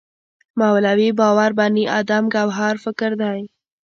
مولوی باور بني ادم ګوهر فکر دی.